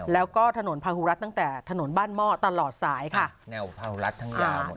แล้วก็ถนนพาหูรัฐตั้งแต่ถนนบ้านหม้อตลอดสายค่ะแนวเผารัดทั้งยาวหมด